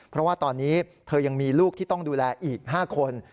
เพราะว่าตอนนี้เธอยังมีลูกที่ต้องดูแลอีก๕คน